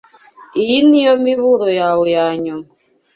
Iyi niyo miburo yawe yanyuma.